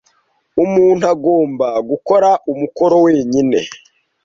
Umuntu agomba gukora umukoro wenyine.